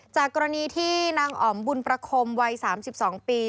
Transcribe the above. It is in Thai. จากกรณีที่นางอ๋อมบุญประคมวัย๓๒ปี